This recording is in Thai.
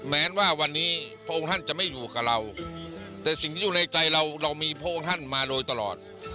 แม้ว่าวันนี้พระองค์ท่านจะไม่อยู่กับเราแต่สิ่งที่อยู่ในใจเราเรามีพระองค์ท่านมาโดยตลอด